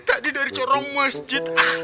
tadi dari corong masjid